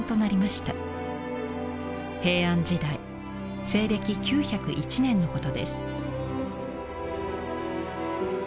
平安時代西暦９０１年のことです。